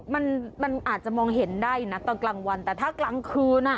มันมันอาจจะมองเห็นได้นะตอนกลางวันแต่ถ้ากลางคืนอ่ะ